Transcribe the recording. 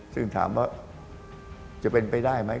ซึ่งถามว่าจะเป็นไปได้ไหม